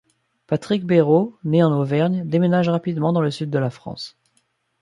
Patrick Berhault, né en Auvergne, déménage rapidement dans le Sud de la France.